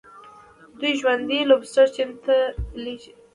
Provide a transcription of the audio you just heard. دوی ژوندي لوبسټر چین ته لیږي.